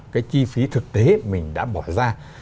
cái chi phí thực tế mình đã bỏ ra